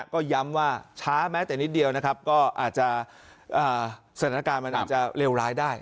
ก็ย้ำว่าช้าแม้แต่นิดเดียวนะครับก็อาจจะสถานการณ์มันอาจจะเลวร้ายได้